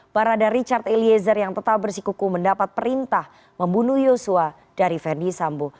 barada richard eliezer yang tetap bersikuku mendapat perintah membunuh yosua dari verdi sambo